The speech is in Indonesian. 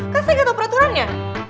kan saya nggak tahu peraturannya